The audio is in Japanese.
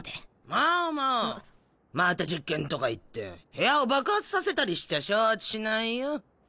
猫猫また実験とか言って部屋を爆発させたりしちゃ承知しないよ。